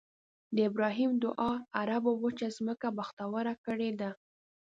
د ابراهیم دعا عربو وچه ځمکه بختوره کړې ده.